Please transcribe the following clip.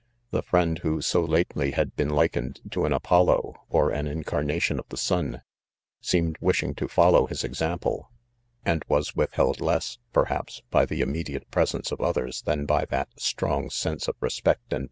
The friend who so late ly hadlbeen likened to an Apoll o, '0TiB~igcai3 Bfr tionofthe sun, seemed wishing to follow h is example; and was withheld iess, perhaps, : by the immediate presence of 'Othe^tnaii Hy lhat strong' sense of 'xe&pect and